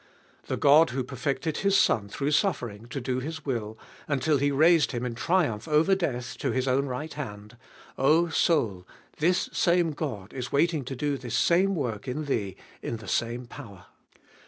The God who perfected His Son through suffering to do His will, until He raised Him in triumph over death to His own right hand — O soul ! this same God is wait ing to do this same work in thee in the same power.